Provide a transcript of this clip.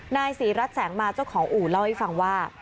นายศรีรัฐแสงมาเจ้าของอู่เล่าให้ฟังว่า